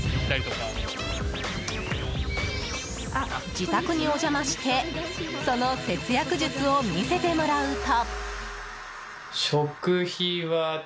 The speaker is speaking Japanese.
自宅にお邪魔してその節約術を見せてもらうと。